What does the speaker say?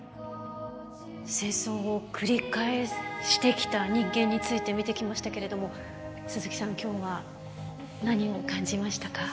戦争を繰り返してきた人間について見てきましたけれども鈴木さん今日は何を感じましたか？